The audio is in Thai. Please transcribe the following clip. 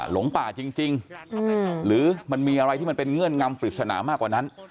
หลงป่าจริงหรือมันมีอะไรที่มันเป็นเงื่อนงำปริศนามากกว่านั้น